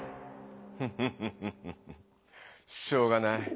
フフフしょうがない。